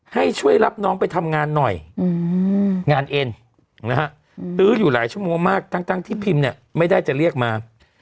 ให้ช่วยรับน้องไปทำงานหน่อยงานเอ็นนะฮะตื้ออยู่หลายชั่วโมงมากทั้งที่พิมเนี่ยไม่ได้จะเรียกมา